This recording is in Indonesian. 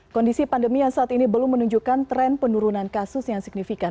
kondisi pandemi yang saat ini belum menunjukkan tren penurunan kasus yang signifikan